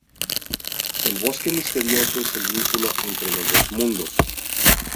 El bosque misterioso es el vínculo entre los dos mundos.